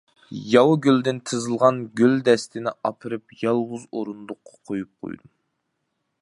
ياۋا گۈلدىن تىزىلغان گۈلدەستىنى ئاپىرىپ يالغۇز ئورۇندۇققا قويۇپ قويدۇم.